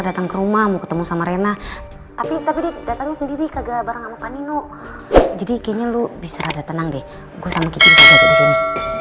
datang ke rumah mau ketemu sama rena tapi tapi datang sendiri kagak bareng sama panino jadi kayaknya lu bisa tenang deh gue sama kikisnya